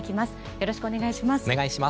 よろしくお願いします。